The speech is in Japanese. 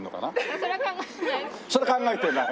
それは考えてない。